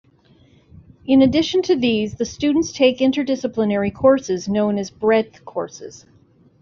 In addition to these, the students take inter-disciplinary courses known as "breadth" courses.